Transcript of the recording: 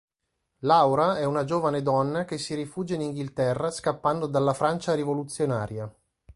Laura è una giovane donna che si rifugia in Inghilterra scappando dalla Francia rivoluzionaria.